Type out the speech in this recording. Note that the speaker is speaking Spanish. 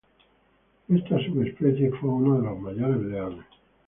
Esta subespecie fue uno de los mayores leones.